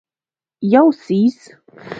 یو څیز